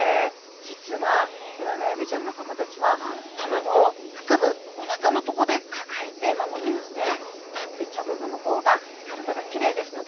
実はテナガエビちゃんの仲間たちは卵を腹部おなかのとこで抱えて守るんですね！